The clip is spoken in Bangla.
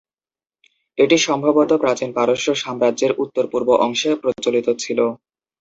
এটি সম্ভবত প্রাচীন পারস্য সাম্রাজ্যের উত্তর-পূর্ব অংশে প্রচলিত ছিল।